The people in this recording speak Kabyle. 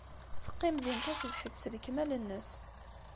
Teqqim din taṣebḥit s lekmal-nnes.